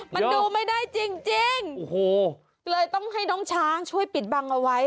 มันดูไม่ได้จริงโอ้โหเลยต้องให้น้องช้างช่วยปิดบังเอาไว้